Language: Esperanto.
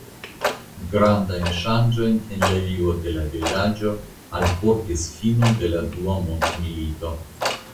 Grandajn ŝanĝojn en la vivo de la vilaĝo alportis fino de la dua mondmilito.